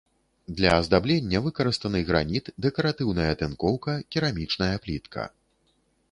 Для аздаблення выкарыстаны граніт, дэкаратыўная тынкоўка, керамічная плітка.